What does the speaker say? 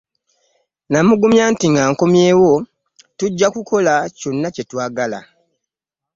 Namugumya nti nga nkomyewo, tujja kukola kyonna kye twagala.